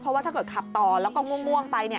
เพราะว่าถ้าเกิดขับต่อแล้วก็ง่วงไป